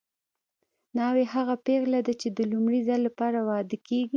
ناوې هغه پېغله ده چې د لومړي ځل لپاره واده کیږي